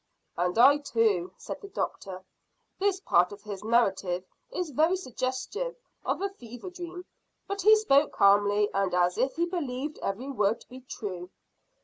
"And I too," said the doctor. "This part of his narrative is very suggestive of a fever dream; but he spoke calmly, and as if he believed every word to be true.